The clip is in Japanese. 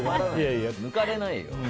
抜かれないよ。